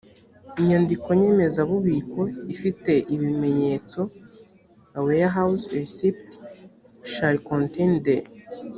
inyandiko nyemezabubiko ifite ibimenyetso a warehouse receipt shall contain the